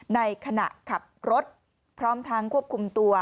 ในขณะขับรถพร้อมทางควบคุมตัว